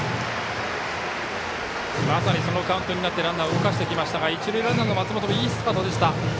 まさに、そのカウントになってランナー動かしてきましたが一塁ランナーの松本いいスタートでした。